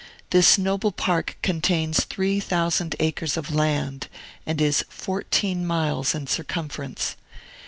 This noble park contains three thousand acres of land, and is fourteen miles in circumference.